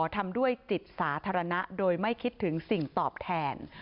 ทำด้วยจิตสาธารณะโดยไม่คิดถึงสิ่งตอบแทน